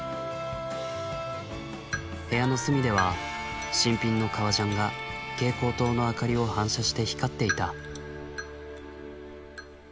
部屋の隅では新品の革ジャンが蛍光灯の明かりを反射して光っていた」。